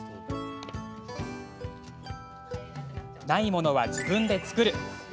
ないものは自分で作る。